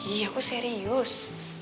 iya aku serius